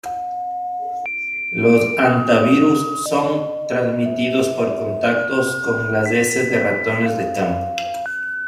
Los Hantavirus son transmitidos por contacto con las heces de ratones de campo.